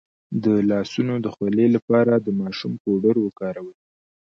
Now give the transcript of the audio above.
د لاسونو د خولې لپاره د ماشوم پوډر وکاروئ